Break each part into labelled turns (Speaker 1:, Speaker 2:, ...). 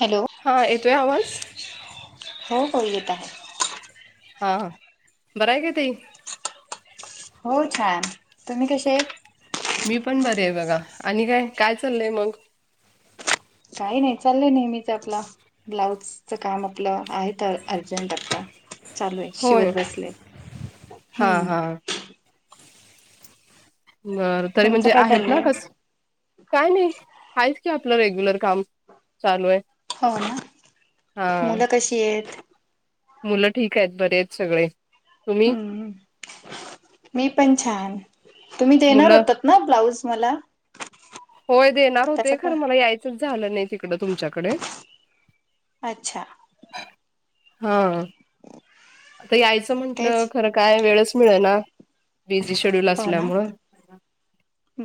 Speaker 1: Hello.
Speaker 2: हा येतोय आवाज.
Speaker 1: हो हो येत आहे.
Speaker 2: हा हा बरं आहे काय ताई?
Speaker 1: हो छान तुम्ही कशे आहेत?
Speaker 2: मी पण बरे आहे बघा आणि काय काय चाललंय मंग?
Speaker 1: काही नाही चाललंय नेहमीच आपला. ब्लाऊजचा काम आपलं आहेत अर्जंट आता चालू आहे
Speaker 2: होय.
Speaker 1: शिवत बसलेय
Speaker 2: हा
Speaker 1: हम्म.
Speaker 2: हा. बरं तरी
Speaker 1: तुमचं
Speaker 2: म्हणजे
Speaker 1: काय
Speaker 2: आहेत ना
Speaker 1: चाललंय
Speaker 2: कस काय नाही आहेच की आपलं रेग्युलर काम चालू आहे.
Speaker 1: हो ना
Speaker 2: हा
Speaker 1: मुलं कशी आहेत?
Speaker 2: मुलं ठीक आहेत बरे आहेत सगळे. तुम्ही
Speaker 1: हम्म मी पण छान तुम्ही देणार
Speaker 2: मुलं?
Speaker 1: होतात ना ब्लाऊज मला.
Speaker 2: होय देणार
Speaker 1: त्याच
Speaker 2: होते
Speaker 1: का
Speaker 2: खरं मला यायचंच झालं नाही तिकडं तुमच्याकडे.
Speaker 1: अच्छा
Speaker 2: हा. आता यायचं म्हंटलं
Speaker 1: तेच
Speaker 2: खरं काय वेळच मिळना बिझी शेड्यूल
Speaker 1: हो ना
Speaker 2: असल्यामूळं.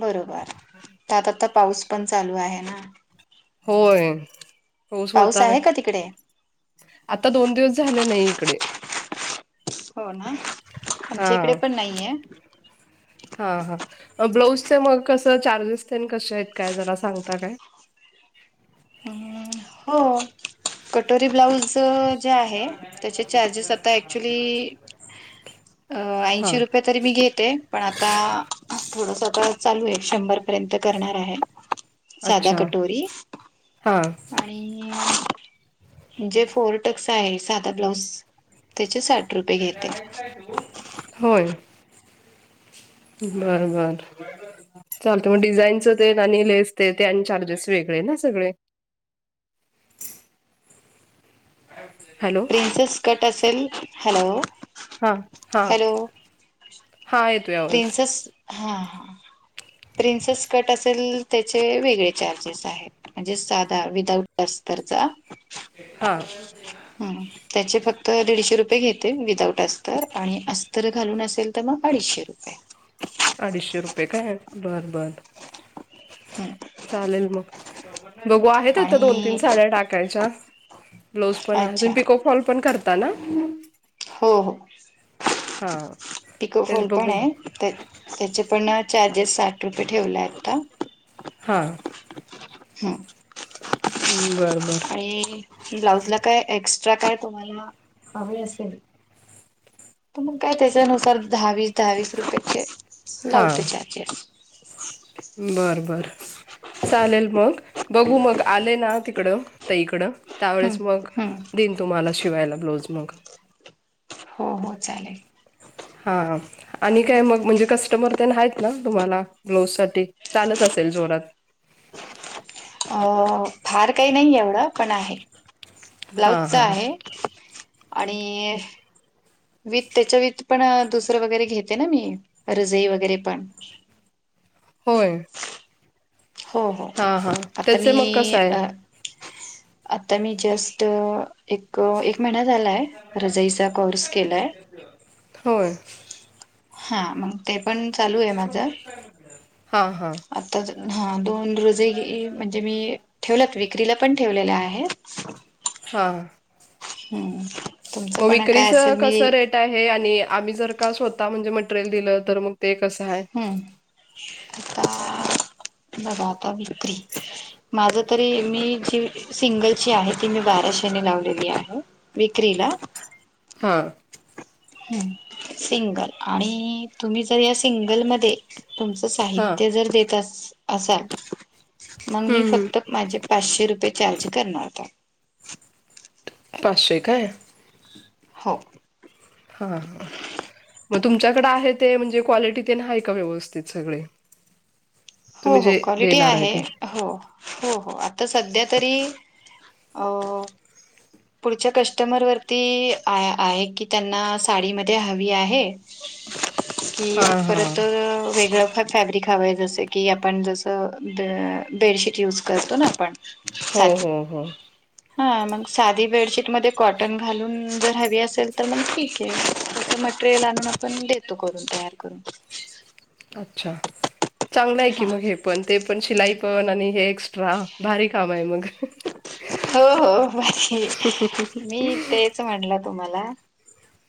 Speaker 1: बरोबर ता ता ता पाऊस पण चालू आहे ना.
Speaker 2: होय.
Speaker 1: पाऊस आहे का तिकडे?
Speaker 2: आता दोन दिवस झाले नाही इकडे.
Speaker 1: हो ना आमच्या
Speaker 2: हा.
Speaker 1: इकडे पण नाहीये.
Speaker 2: हा हा ब्लाऊजचे मग कसं चार्जेस तेन कशे आहेत काय जरा सांगता काय?
Speaker 1: हो कटोरी ब्लाउज त जे आहे त्या चार्जेस आता ऍक्च्युली अ
Speaker 2: हा
Speaker 1: ऐंशी रु पये तरी मी घेते पण आता थोडसा तर चालू आहे शंभर पर्यंत करणार आहे. साधा
Speaker 2: अच्छा
Speaker 1: कटोरी
Speaker 2: हा.
Speaker 1: आणि जे फोर टक्स आहे सादा ब्लाऊज त्याचे साठ. रुपये घेते
Speaker 2: होय बरोबर. चालतं म डिझाईनचं ते आणि लेस ते ते आणि चार्जेस वेगळे ना सगळे. हॅलो.
Speaker 1: प्रिन्सेस कट असेल हॅलो.
Speaker 2: हा हा हा हा ये
Speaker 1: प्रिंसेस हां. प्रिन्सेस कट असेल त्याचे वेगळे चार्जेस आहेत. म्हणजे सादा विदाउट अस्तरचा.
Speaker 2: हा.
Speaker 1: हम्म त्याचे फक्त दीडशे रुपये घेते विदाउट अस्तर आणि अस्तर घालून असेल तर मग अडीचशे रु. [unintelligible]
Speaker 2: अडीचशे रुपये काय बरं बरं.
Speaker 1: हम्म.
Speaker 2: चालेल मग. बघू आहेत आता दोन तीन
Speaker 1: आणि
Speaker 2: साड्या टाकायच्या, ब्लाऊज पण आहे
Speaker 1: अच्छा
Speaker 2: तुम्ही पिको फॉल पण करताना.
Speaker 1: हो हो
Speaker 2: हां
Speaker 1: पिको
Speaker 2: तेच
Speaker 1: फॉल पण
Speaker 2: बघू
Speaker 1: आहे. तर त्याचेपण चार्जेस साठ रुपये ठेवले आहे आत्ता.
Speaker 2: हां.
Speaker 1: हम्म.
Speaker 2: हम्म बरं बरं.
Speaker 1: ते ब्लाउजला काय एक्स्ट्रा काय, तुम्हाला हवे असेल तर मग काय त्याच्यानुसार दहा वीस दहा वीस रुपयचे लावते
Speaker 2: हां
Speaker 1: चार्जेस. [inaudible]
Speaker 2: बर बर. चालेल मग, बघू मग आले ना तिकडं ताईकडं
Speaker 1: हम्म
Speaker 2: त्यावेळेस मग,
Speaker 1: हम्म
Speaker 2: दिन तुम्हाला शिवायला ब्लाउज मग.
Speaker 1: हो हो चालेल.
Speaker 2: हा हा. आणि काय मग, म्हणजे कस्टमर तेन आहेत ना, तुम्हाला ब्लाऊजसाठी चालत असेल जोरात?
Speaker 1: अ फार काही नाही एवढं, पण आहे.
Speaker 2: हां
Speaker 1: ब्लाउजच
Speaker 2: हां
Speaker 1: आहे आणि विथ त्याच्या विथपण दुसरं वगैरे घेते ना मी, रजई वगैरे पण.
Speaker 2: होय.
Speaker 1: हो हो
Speaker 2: हां हां
Speaker 1: आता
Speaker 2: त्याचे
Speaker 1: मी
Speaker 2: मग कसं आहे
Speaker 1: अ आता मी जस्ट एक एक महिना झालाय, रजईचा कोर्स केलाय.
Speaker 2: होय.
Speaker 1: हा, मग ते पण चालू आहे माझं.
Speaker 2: हां हां
Speaker 1: आताच हा दोन रजई घेई म्हणजे मी ठेवल्यात, विक्रीला पण ठेवलेल्या आहेत.
Speaker 2: हा हा.
Speaker 1: हम्म, तुमचं पण आता असंच मी
Speaker 2: काय हे आणि आम्ही जर का स्वतः म्हणजे मटरेल दिलं, तर मग ते कसं आहे?
Speaker 1: हम्म
Speaker 2: [inaudible]
Speaker 1: आता बघा आता विक्री माझं तरी मी जी सिंगलची आहे, ती मी बाराशेने लावलेली आहे. विक्रीला.
Speaker 2: हां.
Speaker 1: हां सिंगल आणि तुम्ही जर या सिंगलमध्ये तुमचं साहित्य जर देत अस असाल, मग मी
Speaker 2: हां
Speaker 1: फक्त माझे पाचशे रुपये चार्ज करणार त्यात.
Speaker 2: पाचशे काय?
Speaker 1: हो.
Speaker 2: हा हा. मग तुमच्याकडे आहे ते, म्हणजे क्वालिटी तेन हाय का व्यवस्थित सगळे?
Speaker 1: हो
Speaker 2: तुम्ही
Speaker 1: हो
Speaker 2: जे
Speaker 1: क्वालिटी
Speaker 2: देणार
Speaker 1: आहे
Speaker 2: ते
Speaker 1: हो. हो हो, आता सध्यातरी अ पुढच्या कस्टमरवरती आ आहे, की त्यांना साडीमध्ये हवी आहे
Speaker 2: [inaudible]
Speaker 1: की
Speaker 2: हा हा
Speaker 1: परत वेगळं फ फॅब्रिक हवं आहे, जसं की आपण जसं ब बेडशीट यूज करतो ना आपण
Speaker 2: हम्म
Speaker 1: साधी
Speaker 2: हम्म हम्म.
Speaker 1: हा म साधी बेडशीटमध्ये कॉटन घालून जर हवी असेल, तर मग ठीक आहे. [unintelligible] मटरेल आणून पण मी देतो करून, तयार करून.
Speaker 2: अच्छा, चांगलं आहे की
Speaker 1: हा
Speaker 2: मग हेपण. ते पण शिलाई पण आणि हे एक्स्ट्रा भारी काम आहे मग.
Speaker 1: हो हो, [unintelligible] मी तेच म्हटलं तुम्हाला.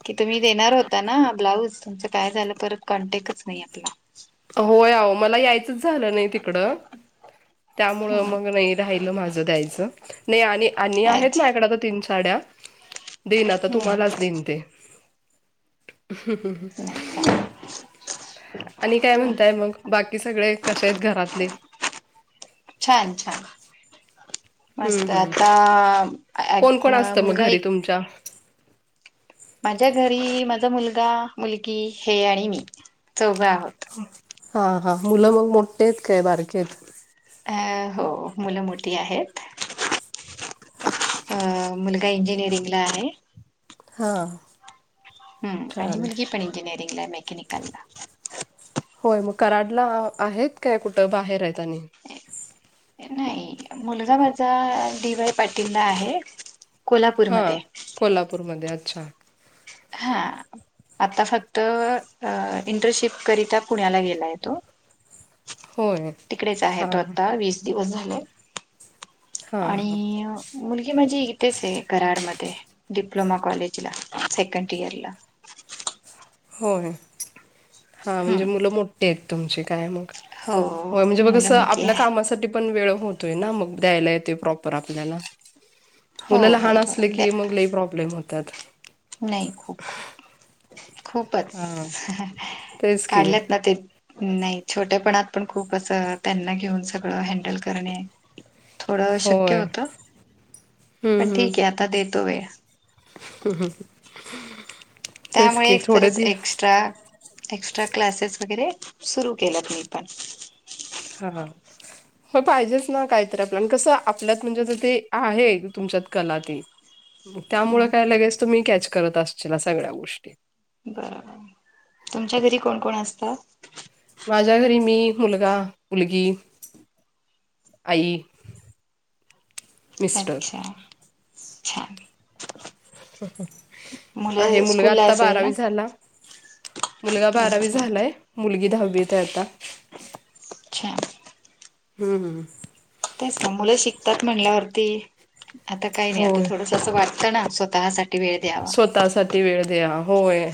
Speaker 1: ती तुम्ही देणार होता ना ब्लाऊजचं तुमचं काय झालं, परत कॉन्टॅक्टच नाहीये ते.
Speaker 2: होय आओ, मला यायचंच झालं नाही तिकडं. त्यामुळं
Speaker 1: हम्म
Speaker 2: मग नाही राहिलं माझं द्यायाचं नाही आणि आहेत माझ्याकडं
Speaker 1: अच्छा
Speaker 2: आता तीन साड्या. दिन आता
Speaker 1: हम्म
Speaker 2: तुम्हालाच देईन ते.
Speaker 1: नाही
Speaker 2: आणि काय म्हणताय मग, बाकी सगळे कसे आहेत घरातले?
Speaker 1: छान छान.
Speaker 2: हम्म
Speaker 1: मस्त
Speaker 2: हम्म
Speaker 1: आता
Speaker 2: कोण कोण
Speaker 1: [unintelligible]
Speaker 2: असतं मग
Speaker 1: मुलगा
Speaker 2: घरी
Speaker 1: एक
Speaker 2: तुमच्या
Speaker 1: माझ्या घरी माझा मुलगा, मुलगी हे आणि मी चौघं आहोत.
Speaker 2: हा हा, मुलं मग मोठी आहेत काय बारकी हायत?
Speaker 1: अ हो, मुलं मोठी आहेत.
Speaker 2: अच्छा.
Speaker 1: अ मुलगा इंजिनिअरिंगला आहे.
Speaker 2: हां.
Speaker 1: हम्म आणि मुलगीपण इंजीनिअरिंगला आहे, मेकॅनिकलला.
Speaker 2: होय मग कराडला आहेत, काय कुठं बाहेर आहेत आणि?
Speaker 1: नाही, मुलगा माझा डी वाय पाटीलला आहे. कोल्हापूरमध्ये
Speaker 2: हा, कोल्हापूरमध्ये अच्छा.
Speaker 1: हा. आता फक्त इंटरशिप करिता पुण्याला गेलाय तो.
Speaker 2: होय
Speaker 1: तिकडेच आहे
Speaker 2: हा
Speaker 1: तो
Speaker 2: हा
Speaker 1: आता वीस दिवस झाले
Speaker 2: हा हा
Speaker 1: आणि मुलगी माझी इथेच आहे कराडमध्ये. डिप्लोमा कॉलेजला सेकंड इयरला.
Speaker 2: होय, हा म्हणजे
Speaker 1: हम्म
Speaker 2: मुलं मो ठी आहेत तुमची काय मग.
Speaker 1: हो
Speaker 2: होय म्हणजे मग
Speaker 1: मुलं
Speaker 2: कसं
Speaker 1: मोठी
Speaker 2: आपल्या
Speaker 1: आहे
Speaker 2: कामासाठी पण वेळ होतोय ना, मग द्यायला येतोय प्रॉपर आपल्याला.
Speaker 1: हो
Speaker 2: मुलं लाहान
Speaker 1: बरोबर
Speaker 2: असले
Speaker 1: म्हणजे
Speaker 2: की, मग लय प्रॉब्लेम होतात.
Speaker 1: नाही, [unintelligible] खूपच
Speaker 2: हा तेच की
Speaker 1: काढलेत ना ते नाही छोटेपणात पण खूपच त्यांना घेऊन सगळं हँडल करणे थोडं अशक्य
Speaker 2: होय
Speaker 1: होतं
Speaker 2: हम्म
Speaker 1: पण
Speaker 2: हम्म
Speaker 1: ठीक आहे, आता देतो वेळ.
Speaker 2: तेच
Speaker 1: त्यामुळे
Speaker 2: की
Speaker 1: एक
Speaker 2: थोडे
Speaker 1: तरच
Speaker 2: दि
Speaker 1: [unintelligible] एक्स्ट्रा क्लासेस वगैरे सुरू केल्यात मीपण.
Speaker 2: हा हा. हो पाहिजेच ना काहीतरी आपलं आणि कसं आपल्यात म्हणजे ते आहे तुमच्यात कला ती. त्यामुळे काय लगेच तुम्ही कॅच करत असतीला, सगळ्या गोष्टी.
Speaker 1: बर, तुमच्या घरी कोण कोण असतात?
Speaker 2: माझ्या घरी मी, मुलगा, मुलगी, आई. मिस्टर
Speaker 1: अच्छा छान.
Speaker 2: आहे
Speaker 1: मुलं
Speaker 2: मुलगा
Speaker 1: स्कूलला
Speaker 2: आता
Speaker 1: असेल ना?
Speaker 2: बारावी झाला. मुलगा बारावी
Speaker 1: अच्छा
Speaker 2: झालाय, मुलगी दहावीत हाय आता.
Speaker 1: अच्छा.
Speaker 2: हम्म हम्म.
Speaker 1: तेच ना मुलं शिकतात म्हणल्यावरती, आता काही नाही आता
Speaker 2: होय
Speaker 1: थोडसं तसं वाटतं ना स्वतःसाठी वेळ द्या
Speaker 2: स्वतः साठी वेळ द्या होय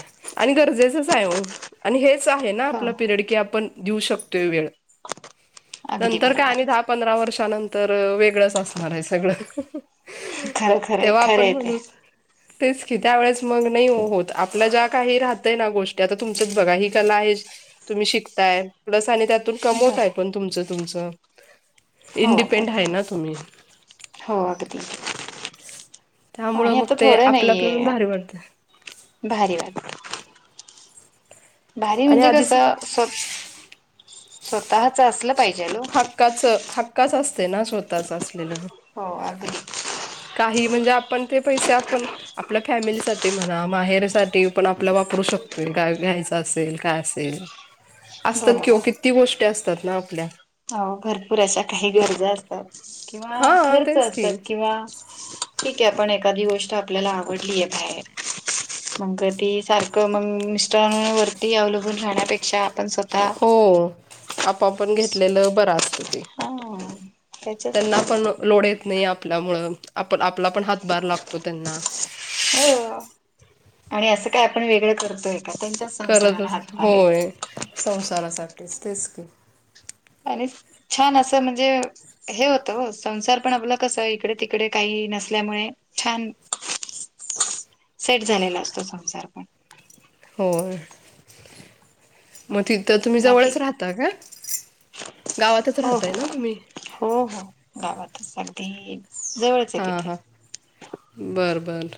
Speaker 2: आणि गरजेचंच आहे हो. आणि हेच आहे ना
Speaker 1: हो
Speaker 2: आपला पिरियड की आपण देऊ शकतोय वेळ.
Speaker 1: अगदी
Speaker 2: नंतर काय
Speaker 1: बरोबर
Speaker 2: आणि दहा पंधरा वर्षानंतर वेगळंच असणार आहे सगळं.
Speaker 1: खर खरं
Speaker 2: तेव्हा
Speaker 1: खरं
Speaker 2: आपण
Speaker 1: आहे ते.
Speaker 2: म्हणू तेच की, त्या वेळेस मग नाहीहो होत. आपल्या ज्या काही राहतय ना गोष्टी, आता तुमचंच बघा. ही कला आहे तुम्ही शिकताय, प्लस आणि त्यातून कमवताय
Speaker 1: बरं
Speaker 2: पण तुमचं तुमचं.
Speaker 1: हो
Speaker 2: इंडिपेंड हाय
Speaker 1: बरोबर
Speaker 2: ना तुम्ही.
Speaker 1: हो अगदी
Speaker 2: त्यामुळं
Speaker 1: आणि
Speaker 2: मग
Speaker 1: आता
Speaker 2: ते
Speaker 1: थोडं
Speaker 2: आपलं आपलं पण
Speaker 1: नाहीये
Speaker 2: भारी वाटतं.
Speaker 1: भारी वाग भारी
Speaker 2: आणि
Speaker 1: म्हणजे
Speaker 2: आधीच
Speaker 1: कसं स्व स्वतःच असलं पाहिजेलो.
Speaker 2: हकाच हक्काच असते ना स्वतःच असलेलं.
Speaker 1: हो अगदी
Speaker 2: काही म्हणजे आपण ते पैसे आपण आपल्या फॅमिलीसाठी म्हणा माहेरसाठी पण आपलं वापरू शकतोय घ्यायचं असेल काय असेल. असतात किं ओ
Speaker 1: बरोबर
Speaker 2: किती गोष्टी असतात ना आपल्या.
Speaker 1: हो भरपूर अशा काही गरजा असतात किंवा
Speaker 2: हा
Speaker 1: खर्च
Speaker 2: तेच की
Speaker 1: असतात किंवा ठीक आहे पण एखादी गोष्ट आपल्याला आवडलीय बाहेर मंग ती सारखं मग मिस्टरां वरती अवलबून राहण्यापेक्षा आपण स्व
Speaker 2: हो आपो आपण घेतलेलं बरं असतं ते.
Speaker 1: हां
Speaker 2: त्यांना पण लोड येत नाही आपल्यामुळं आप आपला पण हातबार लागतो त्यांना.
Speaker 1: हो आणि असं काय आपण वेगळं करतोय का त्यांच्याच संसाराला
Speaker 2: करतच
Speaker 1: हातभार आहे.
Speaker 2: होय संसारासाठीच तेच की.
Speaker 1: आणि छान असं म्हणजे हे होतं संसार पण आपला कस इकडे तिकडे काही नसल्यामुळे छान
Speaker 2: [inaudible]
Speaker 1: सेट झालेला असतो संसार पण.
Speaker 2: होय. मग तिथं तुम्ही
Speaker 1: बाकी
Speaker 2: जवळच राहता का गावातच
Speaker 1: हो
Speaker 2: राहताय
Speaker 1: हो
Speaker 2: ना तुम्ही.
Speaker 1: हो हो गावातच अगदी जवळ.
Speaker 2: हां हां बरं बरं.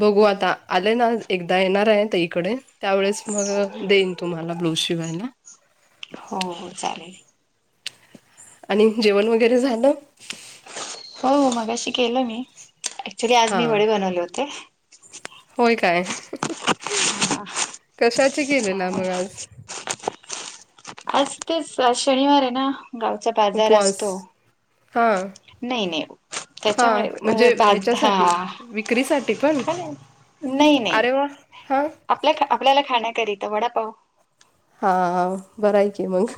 Speaker 2: बघू आता आलेय ना एकदा येणार आहे ते इकडे? त्यावेळेस मग देईन तुम्हाला ब्लूज शिवायला.
Speaker 1: हो हो चालेल.
Speaker 2: आणि जेवण वगैरे झालं?
Speaker 1: हो मगाशी केलं मी ऍक्च्युली आज मी
Speaker 2: हां
Speaker 1: वडे बनवले होते.
Speaker 2: होय काय कशाचे केलेलं मग आज?
Speaker 1: असतेस शनिवार आहे ना गावचा बाजार
Speaker 2: उपवास
Speaker 1: असतो.
Speaker 2: हा
Speaker 1: नाही नाही.
Speaker 2: हा
Speaker 1: त्याच्यामुळे
Speaker 2: म्हणजे
Speaker 1: बाज हा
Speaker 2: ह्याच्यासाठी विक्रीसाठी पण?
Speaker 1: नाही नाही
Speaker 2: अरे वा हां.
Speaker 1: आपल्या आपल्याला खाण्याकरीतं वडापाव.
Speaker 2: हाव बरं आहे की मंग.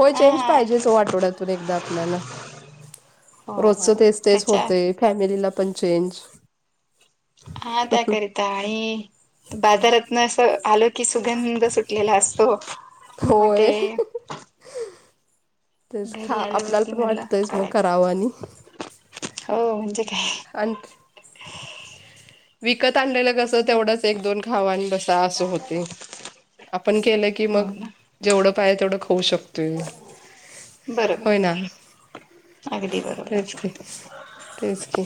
Speaker 2: होय चेंज
Speaker 1: हा
Speaker 2: पाहिजेच हो आठवड्यातून एकदा आपल्याला.
Speaker 1: हो
Speaker 2: रोजचं
Speaker 1: बरोबर
Speaker 2: तेच तेच
Speaker 1: त्याच्या
Speaker 2: होते फॅमिलीला पण चेंज.
Speaker 1: हा त्याकरीता आणि बाजारातनं असं आलो कि सुगंध सुटलेला असतो. मग
Speaker 2: होय.
Speaker 1: ते
Speaker 2: तेच खा
Speaker 1: घरी
Speaker 2: आपल्याला
Speaker 1: आल्यावरती
Speaker 2: पण
Speaker 1: म्हणलं
Speaker 2: वाटतयस मग
Speaker 1: करायचा
Speaker 2: करावं आणि.
Speaker 1: हो म्हणजे काय.
Speaker 2: अंत विकत आणलेलं कसं तेवढंच ते एक दोन खावा आणि बसा असं होतंय, आपण केलं की
Speaker 1: हो
Speaker 2: मग
Speaker 1: ना
Speaker 2: जेवढं पायजे तेवढं खाऊ शकतोय. होय
Speaker 1: बरोबर
Speaker 2: ना,
Speaker 1: अगदी बरोबर
Speaker 2: तेच की. तेच की.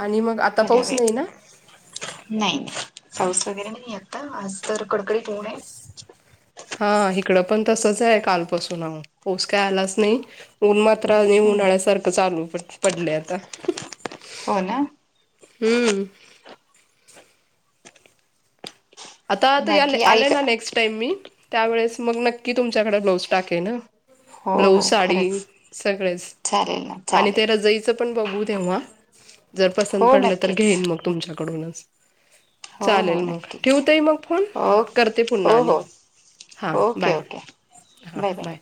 Speaker 2: आणि मग आ
Speaker 1: पट्यावे नाही पाऊस वगैरे नाहीये आता आज तर कडकडीत ऊण आहे.
Speaker 2: हा इकडं पण तसचं आहे कालपसून पोस काय आलाच नाही ऊन मात्र आणि
Speaker 1: हम्म
Speaker 2: उन्हाळ्यासारखं चालू पड पडलंय आता.
Speaker 1: हो ना.
Speaker 2: हम्म. आता त याले
Speaker 1: बाकी आई
Speaker 2: आले
Speaker 1: का,
Speaker 2: ना नेक्स्ट टाईम मी, त्यावेेळेस मग नक्की तुमच्याकडे ब्लाऊज टाकेन हां.
Speaker 1: हो
Speaker 2: ब्लऊज,
Speaker 1: हो
Speaker 2: साडी
Speaker 1: खरंच
Speaker 2: सगळेच
Speaker 1: चालेल ना
Speaker 2: आणि ते
Speaker 1: चालेल
Speaker 2: रजई चंपण बघू तेव्हा. जर पसंत
Speaker 1: हो
Speaker 2: पडलं, तर
Speaker 1: नक्कीच
Speaker 2: घेईन मग तुमच्याकडूनच.
Speaker 1: हो हो नक्की.
Speaker 2: ठेव ताई मग फोन, करते पुन्हा आणि.
Speaker 1: हो
Speaker 2: हां
Speaker 1: ओके
Speaker 2: बाय,
Speaker 1: ओके
Speaker 2: हां बाय.